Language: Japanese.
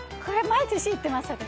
これマジ知ってます。